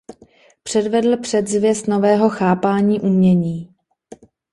Předvedl předzvěst nového chápání umění.